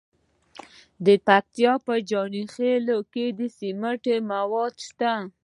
د پکتیا په جاني خیل کې د سمنټو مواد شته.